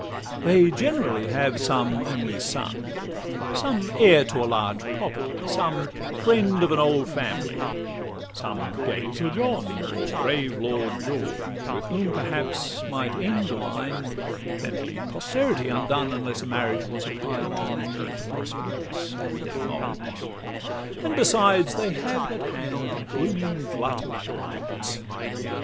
They generally have some only son, Some heir to a large property, some friend Of an old family, some gay Sir john, Or grave Lord George, with whom perhaps might end A line, and leave posterity undone, Unless a marriage was applied to mend The prospect and their morals: and besides, They have at hand a blooming glut of brides.